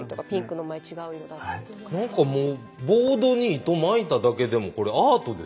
なんかもうボードに糸巻いただけでもこれアートですね。